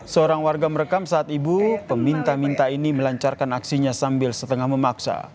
seorang warga merekam saat ibu peminta minta ini melancarkan aksinya sambil setengah memaksa